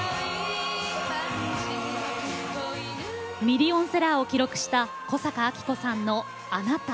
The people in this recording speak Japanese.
ミリオンセラーを記録した小坂明子さんの「あなた」。